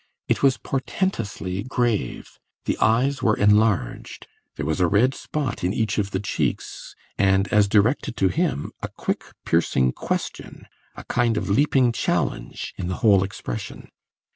It was portentously grave, the eyes were enlarged, there was a red spot in each of the cheeks, and as directed to him, a quick, piercing question, a kind of leaping challenge, in the whole expression.